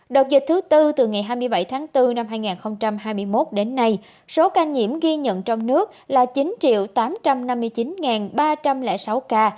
đợt dịch thứ tư từ ngày hai mươi bảy tháng bốn năm hai nghìn hai mươi một đến nay số ca nhiễm ghi nhận trong nước là chín tám trăm năm mươi chín ba trăm linh sáu ca